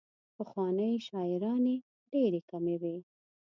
پخوانۍ شاعرانې ډېرې کمې وې.